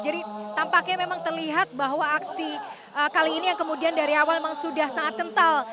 jadi tampaknya memang terlihat bahwa aksi kali ini yang kemudian dari awal memang sudah sangat kental